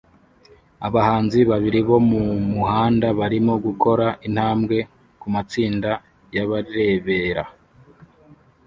Abahanzi babiri bo mumuhanda barimo gukora intambwe kumatsinda yabarebera